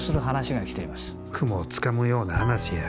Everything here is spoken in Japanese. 雲をつかむような話や。